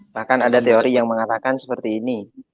bahkan ada teori yang mengatakan seperti ini